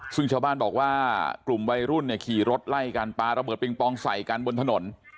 ซึ่งชาวบ้านบอกว่ากลุ่มวัยรุ่นเนี่ยขี่รถไล่กันปลาระเบิดปิงปองใส่กันบนถนน